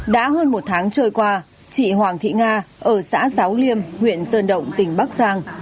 đã hơn một tháng trôi qua chị hoàng thị nga ở xã giáo liêm huyện sơn động tỉnh bắc giang